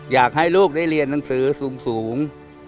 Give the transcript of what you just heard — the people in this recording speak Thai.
อยากให้ลูกได้เรียนหนังสือสูง